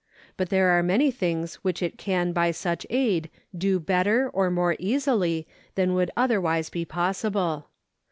But there are many things which it can by such aid do better or more easily than would otherwise be possible.